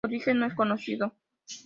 Su origen no es conocido.